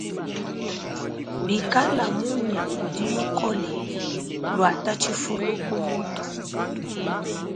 Bikale munya udi mukole, luata tshifuli ku mutu.